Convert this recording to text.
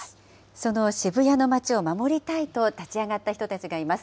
その渋谷の街を守りたいと立ち上がった人たちがいます。